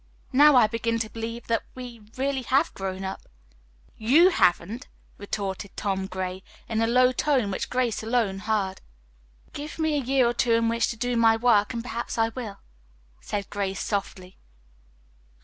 "Now I begin to believe that we have really grown up." "You haven't," retorted Tom Gray in a low tone which Grace alone heard. "Give me a year or two in which to do my work, and perhaps I will," said Grace softly.